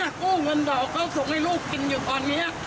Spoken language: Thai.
กู้เงินดอกเขาส่งให้ลูกกินอยู่ตอนนี้